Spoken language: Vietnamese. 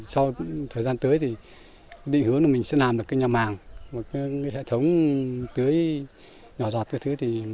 sau thời gian tới thì định hướng là mình sẽ làm được cái nhà màng một cái hệ thống tưới nhỏ dọt